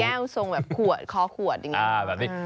เป็นแก้วทรงแบบขวดข้อขวดอย่างนี้